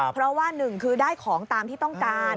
เพราะว่าหนึ่งคือได้ของตามที่ต้องการ